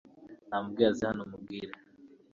Namubwire aze hano mubwire